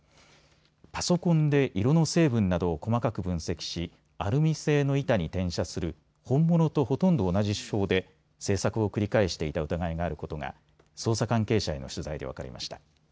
パソコンで色の成分などを細かく分析しアルミ製の板に転写する本物とほとんど同じ手法で制作を繰り返していた疑いがあることが捜査関係者への取材で分かりました。